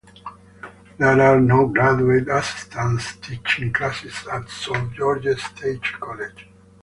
There are no graduate assistants teaching classes at South Georgia State College.